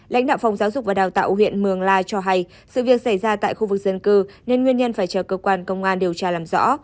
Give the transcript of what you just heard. lãnh đạo phòng giáo dục và đào tạo huyện mường la cho hay sự việc xảy ra tại khu vực dân cư nên nguyên nhân phải chờ cơ quan công an điều tra làm rõ